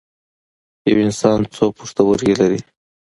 یو انسان څو پښتورګي لري